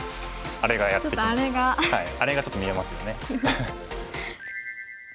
あれがちょっと見えますよね。